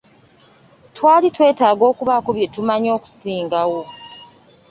Twali twetaaga okubaako bye tumanya okusingawo.